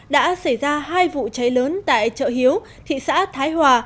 đã xảy ra hai vụ cháy lớn tại chợ hiếu thị xã thái hòa